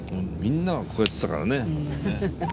みんながこうやってたからね。